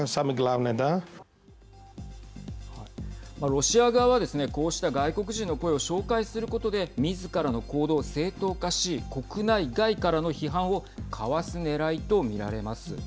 ロシア側はですねこうした外国人の声を紹介することでみずからの行動を正当化し国内外からの批判をかわすねらいと見られます。